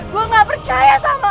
gua gak percaya sama lo